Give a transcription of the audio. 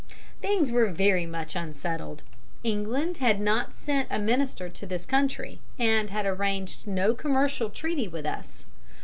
Things were very much unsettled. England had not sent a minister to this country, and had arranged no commercial treaty with us.